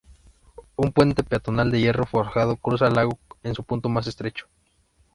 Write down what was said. Un puente peatonal de hierro forjado cruza el lago en su punto más estrecho.